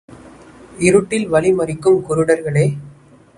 இருட்டில் வழி மறிக்கும் குருடர்களே!